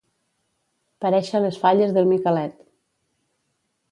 Parèixer les falles del Micalet.